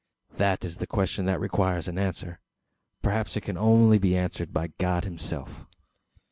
That is the question that requires an answer. Perhaps it can only be answered by God and himself?"